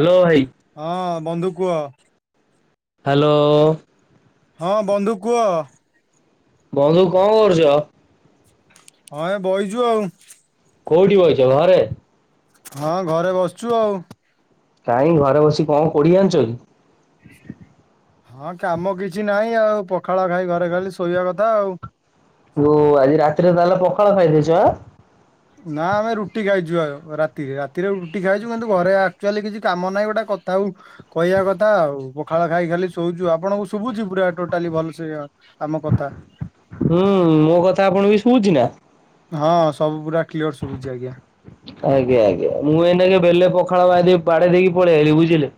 Hello ଭାଇ। ହଁ ବନ୍ଧୁ କୁହ ହ୍ୟାଲୋ ହଁ ବନ୍ଧୁ କୁହ ବନ୍ଧୁ କଣ କରୁଛ ହଁ ଏ ବହିଛୁ ଆଉ। କୋଉଠି ଅଛ ଘରେ? ହଁ ଘରେ ବସିଛୁ ଆଉ। କାଇଁ ଘରେ ବସି କଣ କୋଢି ଆଣିଛ କି? ହଁ କାମ କିଛି ନାହିଁ ଆଉ ପଖାଳ ଖାଇ ଘରେ ଖାଲି ଶୋଇବା କଥା ଆଉ। ବୋଉ ଆଜି ରାତିରେ ତାହେଲେ ପଖାଳ ଖାଇଦେଇଛି ଆଁ ନା ଆମେ ରୁଟି ଖାଇଛୁ ଆଉ ରାତିରେ ରାତିରେ ରୁଟି ଖାଇଛୁ କିନ୍ତୁ ଘରେ ଆକଚୁଆଲି କିଛି କାମ ନାହିଁ ଗୋଟେ କଥା ଉ କହିବା କଥା ଆଉ ପଖାଳ ଖାଇ ଖାଲି ଶୋଉଛୁ ଆପଣଙ୍କୁ ଶୁଭୁଛି ପୁରା ଟୋଟାଲି ଭଲ ସେ? ଆମ କଥା। ହୁଁ ମୋ କଥା ଆପଣକୁ ବି ଶୁଭୁଛି ନା? ହଁ ସବୁ ପୁରା କ୍ଲିଅର ସଭୁଛି ଆଜ୍ଞା। ଆଜ୍ଞା ଆଜ୍ଞା ମୁଁ ଏଇନାକେ ବେଲେ ପଖାଳ ଖାଇଦେଇ ବାଡେଇ ଦେଇକି ପଳେଇ ଆଇଲି ବୁଝିଲେ?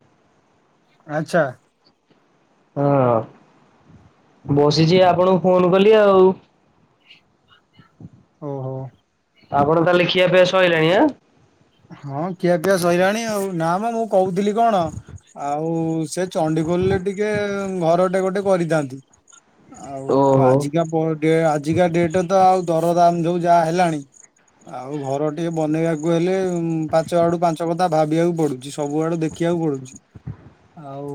ଆଚ୍ଛା। ହଁ ବସିଛି ଆପଣଙ୍କୁ ଫୋନ କଲି ଆଉ। [inaudible] ଓହୋ। ଆପଣ ତାହେଲେ ଖିଆପିଆ ସଇଲାଣି ଆଁ। ହଁ ଖିଆ ପିଆ ସଇଲାଣି ଆଉ ନାଁମ ମୁଁ କହୁଥିଲି କଣ ଆଉ ସେ ଚଣ୍ଡିଖୋଲରେ ଟିକେ ଘରଟେ ଗୋଟେ କରିଥାନ୍ତି ଆଉ ଆଜି ଓହୋ। ଆଜିକା ପର ଡେ ଆଜିକା ଡେଟରେ ତ ଆଉ ଦରଦାମ ଯୋଉ ଯାହା ହେଲାଣି। ଆଉ ଘର ଟିଏ ବନେଇବାକୁ ହେଲେ ପାଞ୍ଚ ଆଡୁ ପାଞ୍ଚ କଥା ଭାବିବାକୁ ପଡୁଛି ସବୁଆଡୁ ଦେଖିବାକୁ ପଡୁଛି। [inaudible] ଆଉ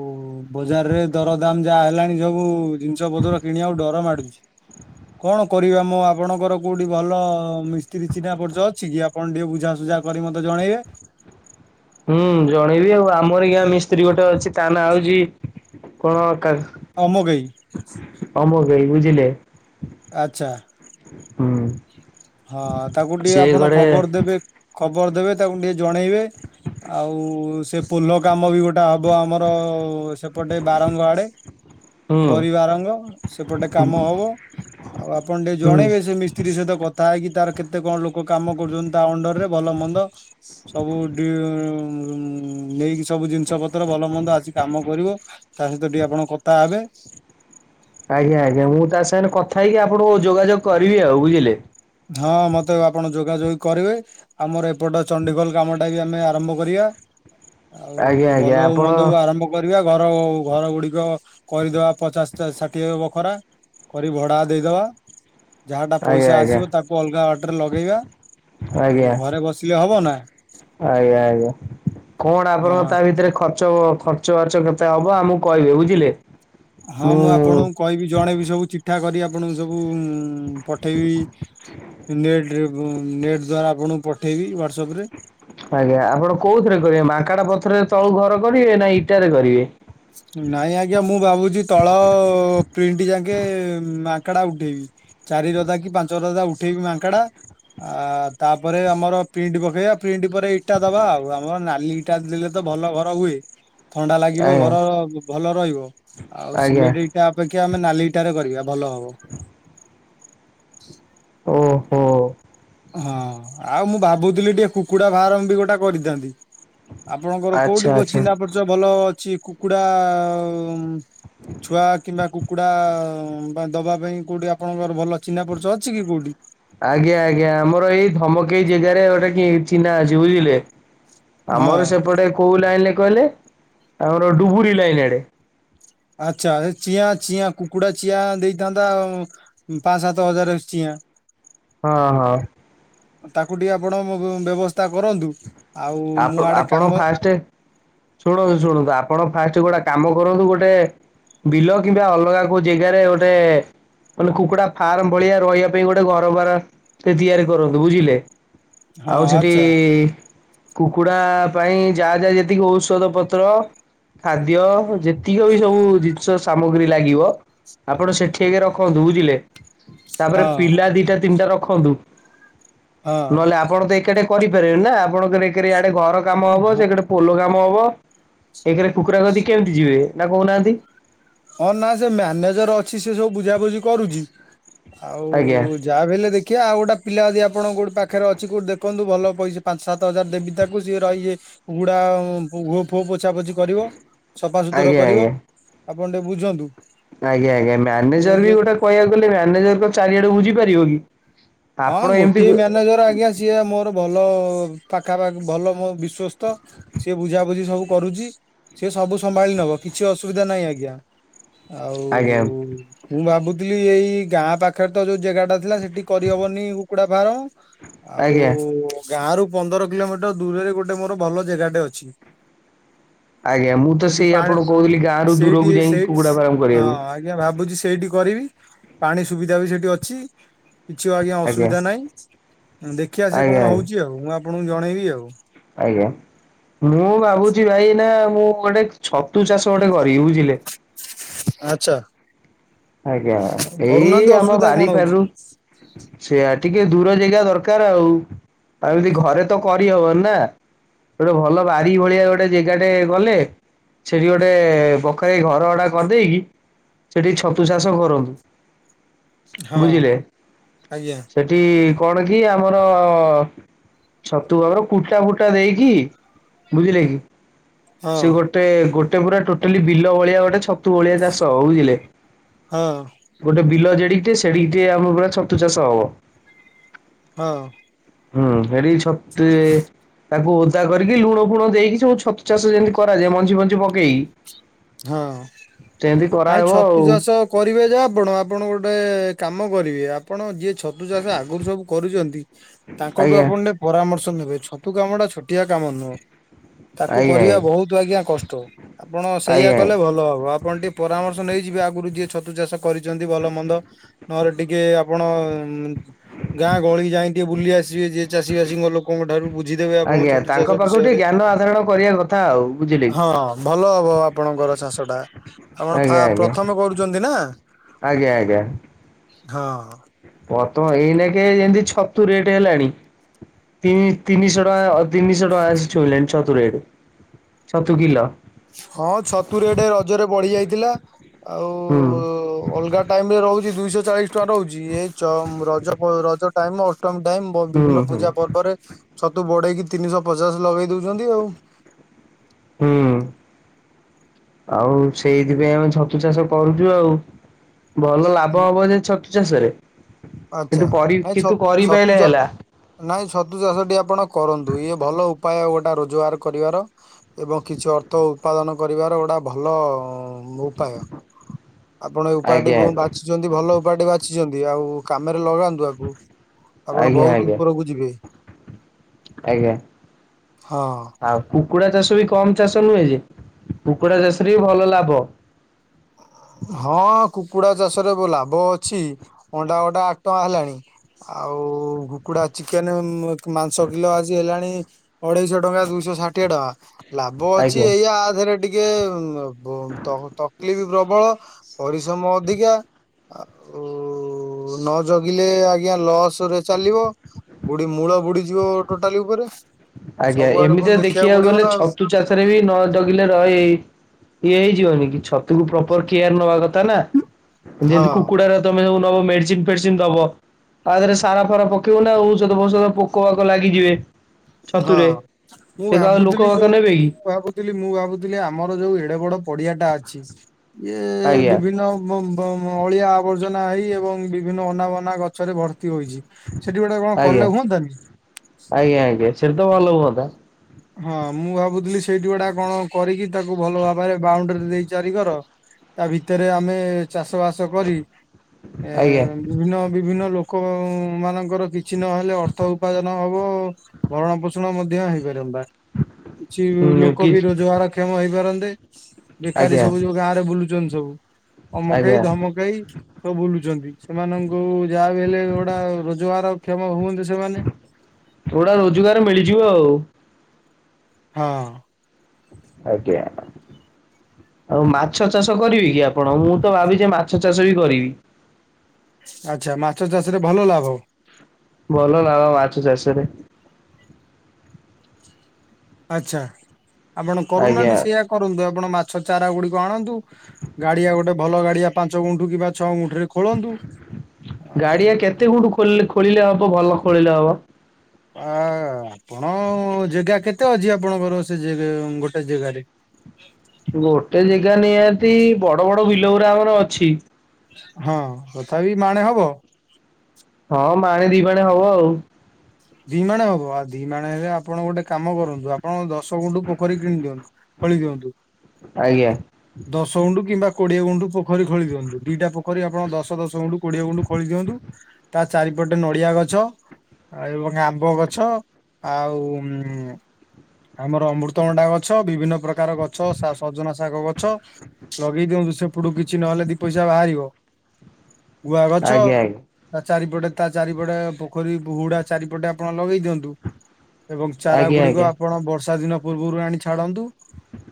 ବଜାରରେ ଦରଦାମ ଯାହା ହେଲାଣି ସବୁ ଜିନିଷ ପତ୍ର କିଣିବାକୁ ଡର ମାଡୁଛି। [inaudible] କଣ କରିବା ମୁଁ ଆପଣଙ୍କର କୋଉଁଠି ଭଲ ମିସ୍ତ୍ରୀ ଚିହ୍ନା ପରିଚୟ ଅଛି କି ଆପଣ ଟିକେ ବୁଝାସୁଝା କରି ମତେ ଜଣେଇବେ। ହୁଁ ଜଣେଇବି ଆଉ ଆମରି ଗାଁ ମିସ୍ତ୍ରୀ ଗୋଟେ ଅଛି ତା ନାଁ ହଉଛି କଣ କା ଅମକେଇ। ଅମକେଇ ବୁଝିଲେ। ଆଚ୍ଛା। ହୁଁ। ହଁ ତାକୁ ଟିକେ ସେ ଆପଣ ଘରେ ଖବର ଦେବେ। ଖବର ଦେବେ ତାକୁ ଟିକେ ଜଣେଇବେ ଆଉ ସେ ପୋଲ କାମ ବି ଗୋ ସେଟା ହବ ଆମର ସେପଟେ ବାରଙ୍ଗ ଆଡେ ହୁଁ ବରି ବାରଙ୍ଗ। ସେପଟେ କାମ ହବ ଆଉଁ ଆପଣ ଟିକେ ହୁଁ ଜଣେଇବେ ସେ ମିସ୍ତ୍ରୀ ସହିତ କଥା କଥା ହେଇକି ତାର କେତେ କଣ ଲୋକ କାମ କରୁଛନ୍ତି ତା ଅଣ୍ଡର ରେ ଭଲ ମନ୍ଦ ସବୁ ଡ଼ି ନେଇକି ସବୁ ଜିନିଷ ପତ୍ର ଭଲମନ୍ଦ ଆସି କାମ କରିବ ତା ସହିତ ଟିକେ ଆପଣ କଥା ହେବେ। ଆଜ୍ଞା ଆଜ୍ଞା ମୁଁ ତା ସାଙ୍ଗରେ କଥା ହେଇକି ଆପଣଙ୍କୁ ଯୋଗାଯୋଗ କରିବି ଆଉ ବୁଝିଲେ। ହଁ ମତେ ଆପଣ ଯୋଗାଯୋଗ କରିବେ। ଆମର ଏପଟ ଚଣ୍ଡିଖୋଲ କାମଟାବି ଆମେ ଆରମ୍ଭ କରିବା। ଆଉଁ ଆଜ୍ଞା ଆଜ୍ଞା ଭଲ ହଉ ଆପଣ ମନ୍ଦ ହଉ ଆରମ୍ଭ କରିବା ଘର ଘରଗୁଡିକ କରିଦବା ପଚାଶ ଷାଠିଏଁ ବଖରା କରି ଭଡା ଦେଇଦବା ଯାହାଟା ଆଜ୍ଞା ପଇସା ଆଜ୍ଞା ଆସିବ ତାକୁ ଅଲଗା ବାଟରେ ଲଗେଇବା। ଆଉ ଆଜ୍ଞା ଘରେ ବସିଲେ ହବ ନା ଆଜ୍ଞା ଆଜ୍ଞା କଣ ଆପଣଙ୍କ ହଁ ତାଭି ଏଥିରେ ଖର୍ଚ୍ଚ ଖର୍ଚ୍ଚବାଚ୍ଚ କେତେ ହବ ଆମକୁ କହିବେ ବୁଝିଲେ। ହଁ ମୁଁ ଆପଣଙ୍କୁ କହିବି ଜଣେଇବି ସବୁ ଚି ଠାକରି ଆପଣଙ୍କୁ ସବୁ ଉଁ ପଠେଇବି ନେଟ ଯାଉଁ ଓଁ ନେଟ୍ ଦ୍ଵାରା ଆପଣଙ୍କୁ ପଠେଇବି ହ୍ୱାଟସଆପରେ। ଆଜ୍ଞା ଆପଣ କୋଉଁଥିରେ କରିବେ ମାଙ୍କଡା ପଥରରେ ତଳୁ ଘର କରିବେ ନାଁ ଇଟାରେ କରିବେ। ନାଇଁ ଆଜ୍ଞା ମୁଁ ଭାବୁଛି ତଳ ପ୍ରିଣ୍ଟ ଯାକେ ମାଙ୍କଡା ଉଠେଇବି। ଚାରି ରଦା କି ପାଞ୍ଚ ରଦା ଉଠେଇବି ମାଙ୍କଡା ଆ ତାପରେ ଆମର ପ୍ରିଣ୍ଟ ପକେଇବା ପ୍ରିଣ୍ଟ ପରେ ଇଟା ଦବା ଆଉ ଆମର ନାଲି ଇ ଇଟା ଦେଇଦେଲେ ତ ଭଲ ଘର ହୁଏ। ଥଣ୍ଡା ଲାଗିବ ଆଜ୍ଞା ଘର ଭଲ ରହିବ ଆଉ ଆଜ୍ଞା ସିମେଣ୍ଟ ଇ ଇଟା ଅପେକ୍ଷା ଆମେ ନାଲି ଇଟାରେ କରିବା ଭଲ ହବ। ଓଁ ହୋ। ହଁ ଆଉ ମୁଁ ଭାବୁଥିଲି ଟିକେ କୁକୁଡା ଫାର୍ମ ବି ଗୋଟା କରିଥାନ୍ତି। ଆପଣଙ୍କର ଆଚ୍ଛା କୋଉଠି କୋଉ ଆଚ୍ଛା। ଚିହ୍ନା ପରିଚୟ ଭଲ ଅଛି କୁକୁଡା ଉଁ ଛୁଆଁ କିମ୍ବା କୁକୁଡ଼ା ବା ଦବା ପାଇଁ କୋଉଠି ଆପଣଙ୍କର ଭଲ ଚିହ୍ନା ପରିଚୟ ଅଛି କୋଉଠି? ଆଜ୍ଞା ଆଜ୍ଞା ଆମର ଏଇ ଧମକେଇ ଜେଗାରେ ଗୋଟା କିଏ ଚିହ୍ନା ଅଛି ବୁଝିଲେ। ହଁ ଆମର ସେପଟେ କୋଉଉଁ ଲାଇନରେ କହିଲେ ଆମର ଡୁବୁରିଲାଇନ ଆଡେ ଆଚ୍ଛା ଚିଆଁ ଚିଆଁ କୁକୁଡା ଚିଆଁ ଦେଇଥାନ୍ତା ଉଁ ପାଞ୍ଚ ସାତ ହଜାର ଚିଆଁ ହଁଅ ହଁ ତାକୁ ଟିକେ ଆପଣ ବ୍ ବ୍ ବ୍ୟବସ୍ଥା କରନ୍ତୁ ଆଉ ମୁଁ ଆପ୍ ଆଡେ କାମ ଆପଣ ଫାଷ୍ଟ ଶୁଣନ୍ତୁ ଶୁଣନ୍ତୁ ଆପଣ ଫାଷ୍ଟ ଗୋଟେ କାମ କରନ୍ତୁ ଗୋଟେ ବିଲ କିମ୍ବା ଅଲଗା କୋଉଁ ଜେଗାରେ ଗୋଟେ ମାନେ କୁକୁଡା ଫାର୍ମ ଭଳିଆ ରହିବା ପାଇଁ ଗୋଟେ ଘରବାର ଟେ ତିଆରି କରନ୍ତୁ ବୁଝିଲେ ହଁ ଆଉଁ ସେଠିଁ ଆଚ୍ଛା କୁକୁଡା ଆଁ ପାଇଁ ଯାହା ଯାହା ଯେତିକି ଔଷଧ ପତ୍ର ଖାଦ୍ୟ ଯେତିକିବି ସବୁ ଜିନିଷ ସାମଗ୍ରୀ ଲାଗିବ ଆପଣ ସେଁଠିଆଗେ ରଖନ୍ତୁ ବୁଝିଲେ ତାପରେ ହଁ ପିଲା ଦିଟା ତିନିଟା ରଖନ୍ତୁ ନ ହଁ। ହେଲେ ଆପଣ ତ ଏକାଟେ କରିପାରିବେନି ନାଁ ଆପଣଙ୍କର ଏକଡେ ଘର କାମ ହବ ହଁ ସେକଡେ ପୋଲ କାମ ହବ ଏକଡେ କୁକୁାଡା କତିକି କେମିତି ଯିବେ ନାଁ କହୁନାହାନ୍ତି ହଁ ନାଁ ସେ ମ୍ୟାନେଜର ଅଛି ସେ ସବୁ ବୁଝାବୁଝି କରୁଛି ଆଉଁ ଆଜ୍ଞା ଯାହାବି ହେଲେ ଦେଖିବା ଆଉ ଗୋଟା ପିଲା ଯଦି ଆପଣ କୋଉଠି ପାଖରେ ଅଛି କଉଁଠି ଦେଖନ୍ତୁ ଭଲ ପଇସା ପାଞ୍ଚ ସାତ ସାତଜାର ଦେବୀତାକୁ ସିଏ ରହିଁକି କୁକୁଡ଼ା ଘୁଅଫୁଅ ପୋଛା ପୋଛି କରିବ ସଫାସୁତୁର ଆଜ୍ଞା କରିବ ଆଜ୍ଞା। ଆପଣ ଟିକେ ବୁଝନ୍ତୁ। ଆଜ୍ଞା ଆଜ୍ଞା ମ୍ୟାନେଜର କୋଉଠି ବି ଯଦି ଗୋଟେ କହିବାକୁ ଗଲେ ମ୍ୟାନେଜର ତ ଚାରିଆଡେ ବୁଝିପାରିବ କି? ହଁ ଆପଣ ଏମିତି ଗୋଟିଏ ମ୍ୟାନେଜର ଆଜ୍ଞା। ଯିଏ ମୋର ଭଲ ପାଖାପାଖି ଭଲ ମୋ ବିଶ୍ଵସ୍ତ। ସିଏ ବୁଝାବୁଝି ସବୁ କରୁଛି ସିଏ ସବୁ ସମ୍ଭାଳି ନବ କିଛି ଅସୁବିଧା ନାହିଁ ଆଜ୍ଞା। ଆଉ ଆଜ୍ଞା ମୁଁ ଭାବୁଥିଲି ଏଇ ଗାଁ ପାଖରେ ତ ଯୋଉ ଜେଗା ଟା ଥିଲା ସେଠି କ ହବନି କୁକୁଡା ଫାର୍ମ ଆଉ। ଆଜ୍ଞା। ଗାଁ ରୁ ପନ୍ଦର କିଲୋମିଟର ଦୂରରେ ଗୋଟେ ମୋର ଭଲ ଜେଗାଟେ ଅଛି। ଆଜ୍ଞା ମୁଁ ତ ସେଠି ସେଇ ଆପଣଙ୍କୁ କହୁଥିଲି ପାଣି ଗାଁରୁ ସେଇଠି ଦୂରକୁ ଯାଇକି ସେଇଠି କୁକୁଡ଼ା ଫାର୍ମ କରିବାକୁ ହଁ। ଆଜ୍ଞା ଭାବୁଛି ସେଇଠି କରିବି ପାଣି ସୁବିଧା ବି ସେଇଠି ଅଛି। କିଛି ଆଜ୍ଞା ଅସୁବିଧା ନାହିଁ। ଦେଖିବା ସେ ଆଜ୍ଞା କଣ ଆଜ୍ଞା ହଉଛି ଆଉ ମୁଁ ଆପଣଙ୍କୁ ଜଣେଇବି ଆଉ। ଆଜ୍ଞା। ମୁଁ ଭାବୁଛି ଭାଇ ନା ମୁଁ ଗୋଟେ ଛତୁ ଚାଷ ଗୋଟେ କରିବି ବୁଝିଲେ। ଆଚ୍ଛା। ଆଜ୍ଞା କରୁନାହାନ୍ତି ଏଇ ଆମ ଅସୁବିଧା କଣ ବାରି ହଉଛି? ଫାରିରୁ ସେଇଆ ଟିକେ ଦୂର ଯେଗା ଦରକାର ଆଉଁ ଆଉଁ ଏମିତି ଘରେ ତ କରିହବନି ନାଁ ଗୋଟେ ଭଲ ବାରି ଭଳିଆ ଗୋଟେ ଗୋଟେ ଜାଗା ଟେ ଗଲେ ସେଠିଁ ଗୋଟେ ବଖରେଇ ଘରଭଡା କରିଦେଇକି ସେଠିକି ଛତୁ ଚାଷ କରନ୍ତୁ ହଁ ବୁଝିଲେ। ଆଜ୍ଞା ସେଠି କଣ କି ଆମର ଛତୁ ଘାବର କୁଟା ଫୁଟା ଦେଇକି ବୁଝିଲେ କି। ହଁ ସେ ଗୋଟେ ଗୋଟେ ପୁରା ଟୋଟାଲି ବିଲ ଭଳିଆ ଗୋଟେ ଛତୁ ଭଳିଆ ଚାଷ ବୁଝିଲେ। ହଁ। ଗୋଟେ ବିଲ ଜେଡିକିଟିଏ ସେଡିକିଟିଏ ଆମର ପୁରା ଛତୁ ଚାଷ ହବ। ହଁ। ହୁଁ ସେଠି ଛତୁ ଏ ତାଙ୍କୁ ଓଦା କରିକି ଲୁଣ ଫୁଣ ଦେଇକି ସବୁ ଛତୁ ଚାଷ ଯେମିତି କରାଯାଏ ମଞ୍ଜି ମଞ୍ଜି ପକେଇକି। ହଁ ସେମିତି କାଇଁ କରାହେବ ଛତୁ ଆଉ ଚାଷ କରିବେ ଯେ ଆପଣ ଆପଣ ଗୋଟେ କାମ କରିବେ ଆପଣ ଯିଏ ଛ ଛତୁ ଚାଷ ଆଗରୁ ସବୁ କରୁଛନ୍ତି ତାଙ୍କଠୁ ଆଜ୍ଞା ଆପଣ ପରାମର୍ଶ ନେବେ ଛତୁ କାମ ଟା ଛୋଟିଆ କାମ ନୁହେଁ। ତାକୁ ଆଜ୍ଞା କରିବା ବହୁତ ଆଜ୍ଞା କଷ୍ଟ ଆପଣ ସେଇଆ ଆଜ୍ଞା କଲେ ଭଲ ହବ ଆପଣ ଟିକେ ପରାମର୍ଶ ନେଇଯିବେ ଆଗରୁ ଯିଏ ଛତୁ ଚାଷ କରିଛନ୍ତି ଭଲ ମନ୍ଦ।। ନହେଲେ ଟିକେ ଆପଣ।। ଗାଁ ଗହଳି ଯାଇ ଟିକେ ବୁଲି ଆସିବେ। ଯିଏ ଚାଷୀିବାସୀଙ୍କ ଲୋକ।। ଲୋକଙ୍କ ଠାରୁ ବୁଝିଦେବେ ଆପଣ ଆଜ୍ଞା ଛତୁ ତାଙ୍କ ଚାଷ ପାଖକୁ ଟିକେ ବିଷୟରେ ଜ୍ଞାନ ଆଧାରଣ କରିବା କଥା ଆଉ ବୁଝିଲେ କି ହଁ। ଭଲ ହବ ଆପଣଙ୍କର ଚାଷ ଟା ଆଜ୍ଞା ଆପଣ ଆଜ୍ଞା। ପ୍ରଥମେ କରୁଛନ୍ତି ନା ଆଜ୍ଞା ହଁ। ବତମ ଏଇନେ କେ ଯେମିତି ଛତୁ ରେଟ ହେଲାଣି। ତିନି ତିନିଶହ ଟଙ୍କା ତିନିଶହ ଟଙ୍କା ଆସି ଛୁଇଁଲାଣି ଛତୁ ରେଟେ। ଛତୁ କିଲ। ହଁ ଛତୁ ରେଟ୍ ଏ ରଜରେ ବଢି ଯାଇଥିଲା ଆଉ। ହୁ ଅଲଗା ଟାଇମରେ ରହୁଛି ଦୁଇଶହ ଚାଳିଶ ଟଙ୍କା ରହୁଛି ଏଇ ରଜ ରଜ ଟାଇମ।। ଟାଇମ ହୁଁ ବିଭିନ୍ନ ହୁଁ ପୂଜା ପର୍ବରେ ଛତୁ ବଢେଇକି ତିନିଶହ ପଚାଶ ଲଗେଇ ଦଉଛନ୍ତି ଆଉ। ହୁଁ। ଆଉ ସେଇଥିପାଇଁ ଆମେ ଛତୁ ଚାଷ କରୁଛୁ ଆଉ। ଭଲ ଲାଭ ହବ ଯେ ଛତୁ ଚାଷରେ ଆଚ୍ଛା କିନ୍ତୁ କରି ନାଇଁ ଛ କିନ୍ତୁ ଛତୁ କରିପାରିଲେ ଚା ହେଲା। ନାଇଁ ଛତୁ ଚାଷଟି ଆପଣ କରନ୍ତୁ। ଇଏ ଭଲ ଉପାୟ ଗୋଟେ ରୋଜଗାର କରିବାର। ଏବଂ କିଛି ଅର୍ଥ ଉତ୍ପାଦନ କରିବାର ଗୋଟା ଭଲ।। ଉପାୟ ଆପଣ ଏ ଉପାୟଟି ଆଜ୍ଞା ବ ଆଜ୍ଞା ବାଛିଛନ୍ତି ଭଲ ଉପାୟଟି ବାଛିଛନ୍ତି ଆଉ। କାମରେ ଲଗାନ୍ତୁ ଆକୁ ଆପଣ ଆଜ୍ଞା ବହୁତ ଆଜ୍ଞା ଉପରକୁ ଯିବେ। ଆଜ୍ଞା ହଁ ଆଉ। କୁକୁଡା ଚାଷ ବି କମ୍ ଚାଷ ନୁହେଁ ଯେ କୁକୁଡା ଚାଷରେ ବି ଭଲ ଲାଭ। ହଁ କୁକୁଡା ଚାଷରେ ଲାଭ ଅଛି ଅଣ୍ଡା ଅଟା ଆଠ ଟଙ୍କା ହେଲାଣି। ଆଉ କୁକୁଡା ଚିକେନ ମାଂସ କିଲୋ ଆଜି ହେଲାଣି। ଅଢେଇଶହ ଟଙ୍କା ଦୁଇଶହ ଷାଠିଏ ଟଙ୍କା। ଲାଭ ଅଛି ଆଜ୍ଞା ଏଇା ଆଥରେ ଟିକେ ତକଲିଫ ପ୍ରବଳ। ପରିଶ୍ରମ ଅଧିକା। ଆଉ ନ ଜଗିଲେ ଆଜ୍ଞା ଲସ ରେ ଚାଲିବ। ବୁଢ ମୂଳ ବୁଡିଯିବ ଟୋଟାଲି ଉପରେ। ଆଜ୍ଞା ସବୁଆଡେ ଏମିତିଆ ପୁଣି ଦେଖିବାକୁ ପଡିବ ଗଲେ ନା ଆଉ ଛତୁ ଚାଷରେ ବି ନ ଡଗିଲେ ରହଇ। ଇଏ ହେଇଯିବନି କି ଛତୁକୁ ପ୍ରପର କେୟାର ନବା କଥା ନା ହଁ ଯେମତି କୁକୁଡାର। ତମେ ସବୁ ନବ ମେଡିସିନ ଫେଡିସିନ ଦବ। ତାହରେ ସାରା ଫାରା ପକିବୁ ନା ସତ ବଷ ପୋକ ଫୋକ ଲାଗିଯିବେ। ହଁ ଛତୁରେ ମୁଁ ସେ କଣ ଆଉ ଲୋକ ଭାବୁଥିଲି ବାକ ଯୋଉ ନେବେ କି ମୁଁ ଭାବୁ।। ଥିଲ ମୁଁ ଭାବୁଥିଲି ଆମର ଯୋଉ ଏଡେ ବଡ ପଡିଆଟା ଅଛି। ଇଏ ଆଜ୍ଞା ବିଭିନ୍ନ।। ଅଳିଆ ଆବର୍ଜନା ହେଇ ଏବଂ ବିଭିନ୍ନ ଅନାବନା ଗଛରେ ଭର୍ତ୍ତି ହୋଇଛି। ସେଠି ଗୋଟେ କଣ କଲେ ହୁଅନ୍ତାନି। ଆଜ୍ଞ ଆଜ୍ଞେ ସେଥିତ ଭଲ ହୁଅନ୍ତା। ହଁ ମୁଁ ଭାବୁଥିଲି ସେଇଠି ଗୁଡା କ'ଣ କରିକି ତାକୁ ଭଲ ଭାବରେ ବାଉଣ୍ଡରୀ ଦେଇ ଚାରି କର। ତା ଭିତରେ ଆମେ ଚାଷ ବାସ କରି ଏ। ଆଜ୍ଞା ବିଭିନ୍ନ ବିଭିନ୍ନ ଲୋକ ମାନଙ୍କର କିଛି ନହେଲେ ଅର୍ଥ ଉପାର୍ଜନ ହବ। ଭରଣ ପୋଷଣ ମଧ୍ୟ ହେଇପାରେ ବା। କିଛି ଉଁ ଲୋକ କି ବି ରୋଜଗାର କ୍ଷମ ହେଇପାରନ୍ତେ। ବେକାରୀ ଆଜ୍ଞା ସବୁ ଯୋଉ ଗାଁ ରେ ବୁଲୁଛନ୍ତି ସବୁ ଅମକେଇ ଆଜ୍ଞା ଧମକେଇ। ବୁଲୁଛନ୍ତି ସେମାନଙ୍କୁ ଯାହା ବି ହେଲେ ଗୋଟା ରୋଜଗାର କ୍ଷମ ହୁଅନ୍ତେ। ଯୋଉ ମାନେ ଏଗଟା ରୋଜଗାର ମିଳିଯିବ ଆଉ। ହଁ। ଆଜ୍ଞା ଆଉ ମାଛ ଚାଷ କରିବେ କି ଆପଣ ମୁଁ ତ ଭାବିଛିେ ମାଛ ଚାଷ ବି କରିବି। ଆଚ୍ଛା ମାଛ ଚାଷ ରେ ଭଲ ଲାଭ। ଭଲ ଲବା ବାଛୁ ଚାଷରେ। ଆଚଛା ଆପଣ ଆଜ୍ଞା କରୁନାହାନ୍ତି ସେଇଆ କରନ୍ତୁ ଆପଣ ମାଛ ଚାରା ଗୁଡିକ ଆଣନ୍ତୁ। ଗାଡିଆ ଗୋଟେ ଭଲ ଗାଡିଆ ପାଞ୍ଚ ଗୁଣ୍ଠୁ କିମ୍ବା ଛଅ ଗୁଣ୍ଠୁରେ ଖୋଳନ୍ତୁ ଆଉ। ଖୋ ଖୋଳିଲେ ହବ ଭଲ ଖୋଳିଲେ ହବ। ଆ ଆପଣ ଜାଗା କେତେ ଅଛି ଆପଣଙ୍କର ସେ ଗୋଟେ ଜାଗାରେ। ଗୋଟେ ଜାଗା ନିହାତି ବଡ ବଡ ବିଲ ଗଡା ଆମର ଅଛି। ହଁ ତଥାପି ମାଣେ ହବ। ହଁ ମା ଆଣିେ ଦି ପାଣେ ହବ ଆଉ। ଦିମାଣ ହବ ଆଉ ଦି ମାଣେ ହେଲେ ଆପଣ ଗୋଟେ କାମ କରନ୍ତୁ ଆପଣ ଦଶ ଗୁଣ୍ଠୁ ପୋଖରୀ କିଣି ଦିଅନ୍ତୁ। ପଳି ଦିଅନ୍ତୁ। ଆଜ୍ଞା। ଦଶ ଗୁଣ୍ଡୁ କିମ୍ବା କୋଡିଏ ଗୁଣ୍ଡୁ ପୋଖରୀ ଖୋଳି ଦିଅୁ ଦିଟା ପୋଖରୀପଣଶ ଦଶ ଗୁଣ୍ଡୁ। କୋଡ଼ିଏ ଗୁଣ୍ଡୁ ଖୋଳି ଦିଅନ୍ତୁ ତା ଚାରିପଟେ ନଡ଼ିଆ ଗଛ। ଆଉ ଏବଂ ଆମ୍ବ ଗଛ ଆଉ। ଆମର ଅମୃତଭଣ୍ଡା ଗଛ ବିଭିନ୍ନ ପ୍ରକାର ଗଛ ସଜନା ଶାଗ ଗଛ। ଲଗେଇ ଦିଅନ୍ତୁ ସେପଟୁ କିଛି ନହେଲେ ଦି ପଇସା ବାହାରିବ ଗୁଆ ଗଛ। ଆଜ୍ଞା ଆଜ୍ଞା। ତା ଚାରିପଟେ ତା ଚାରିପଟେ ପୋଖରୀ ହୁଡା ଚାରିପଟେ ଆପଣ ଲଗେଇ ଦିଅନ୍ତୁ। ଏବଂ ଚାରା ଆଜ୍ଞା ଗୁଡିକ ଆଜ୍ଞା ଆପଣ ବର୍ଷା ଦିନ ପୂର୍ବରୁ ଆଣି ଛାଡନ୍ତୁ।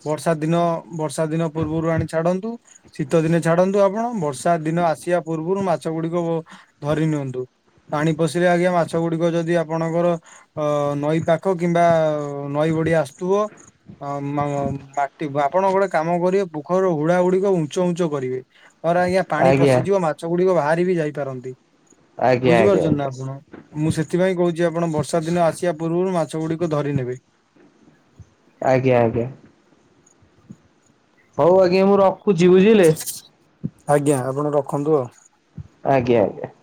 ବର୍ଷା ଦିନ ବର୍ଷା ଦିନ ପୂର୍ବରୁ ଆଣି ଛାଡନ୍ତୁ। ଶୀତ ଦିନେ ଛାଡନ୍ତୁ ଆପଣ ବର୍ଷା ଦିନ ଆସିବା ପୂର୍ବରୁ ମାଛ ଗୁଡିକ ଧରି ନିଅନ୍ତୁ। ପାଣି ପଶିଲେ ଆଜ୍ଞା ମାଛ ଗୁଡିକ ଯଦି ଆପଣଙ୍କର ଅ ନଈ ପାଖ କିମ୍ବା ନଈ ଉଢ଼ି ଆସୁଥିବ ମ ମାଟି ଆପଣ ଗୋଟେ କାମ କରିବେ ପୋଖରୀର ହୁଡା ଗୁଡିକ ଉଞ୍ଚ ଉଚ କରିବେ। ମର ଆଜ୍ଞା ପାଣି ପଶିଯିବ ମାଛ ଗୁଡିକ ବାହାରି ବି ଯାଇ ପାରନ୍ତି ଆଜ୍ଞା ଆଜ୍ଞା ଆଜ୍ଞା ବୁଝିପାରୁଚ଼ ନା ଆପଣ ମୁଁ ସେଥିପାଇଁ କହୁଛି ଆପଣ ବର୍ଷା ଦିନ ଆସିବା ପୂର୍ବରୁ ମାଛ ଗୁଡିକ ଧରିନେବେ। ଆଜ୍ଞା ଆଜ୍ଞା। ହଉ ଆଜ୍ଞା ମୁଁ ରଖୁଛି ବୁଝିଲେ ଆଜ୍ଞା ଆପଣ ରଖନ୍ତୁ ଆଉ ଆଜ୍ଞା ଆଜ୍ଞା।